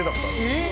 えっ！